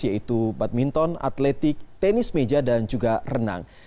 yaitu badminton atletik tenis meja dan juga renang